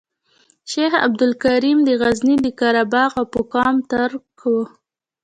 شیخ عبدالکریم د غزني د قره باغ او په قوم ترک وو.